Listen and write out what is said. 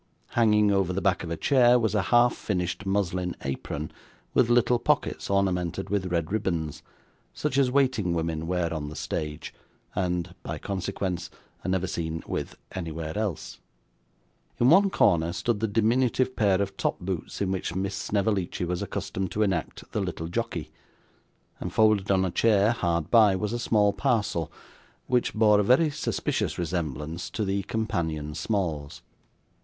Hanging over the back of a chair was a half finished muslin apron with little pockets ornamented with red ribbons, such as waiting women wear on the stage, and (by consequence) are never seen with anywhere else. In one corner stood the diminutive pair of top boots in which Miss Snevellicci was accustomed to enact the little jockey, and, folded on a chair hard by, was a small parcel, which bore a very suspicious resemblance to the companion smalls.